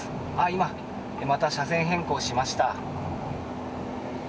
今、また車線変更しました。